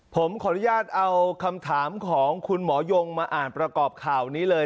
ผมขออนุญาตเอาคำถามของคุณหมอยงมาอ่านประกอบข่าวนี้เลย